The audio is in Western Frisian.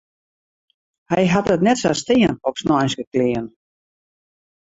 Hy hat it net sa stean op sneinske klean.